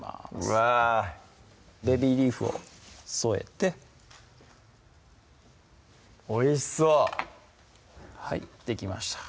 うわぁベビーリーフを添えておいしそうはいできました